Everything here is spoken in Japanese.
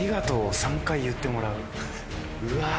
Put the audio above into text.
うわ